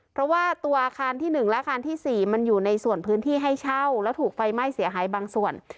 เพราะว่าตัวอาคารที่๑และอาคารที่๔มันอยู่ในส่วนพื้นที่ให้เช่าแล้วถูกไฟไหม้เสียหายบางส่วน